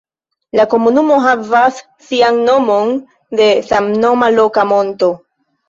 La komunumo havas sian nomon de samnoma loka monto.